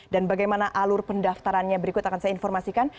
dan bagaimana alur pendaftarannya berikut akan saya informasikan